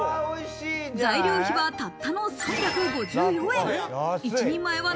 材料費はたったの３５４円。